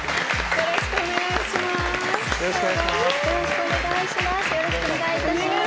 よろしくお願いします